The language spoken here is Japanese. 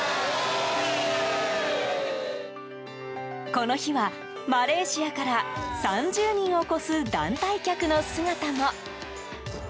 この日はマレーシアから３０人を超す団体客の姿も。